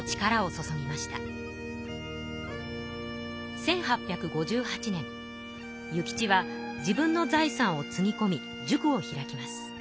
１８５８年諭吉は自分の財産をつぎこみ塾を開きます。